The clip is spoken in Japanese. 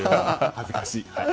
恥ずかしい。